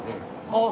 ああ